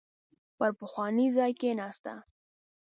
پر پخواني ځای کېناسته.